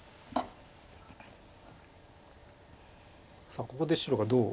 さあここで白がどう。